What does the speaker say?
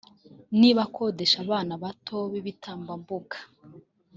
ni abakodesha abana bato b’ibitambambuga